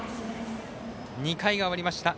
２回が終わりました。